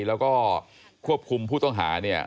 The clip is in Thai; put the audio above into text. แล้วก็ควบคุมผู้ต้องหาเนี่ย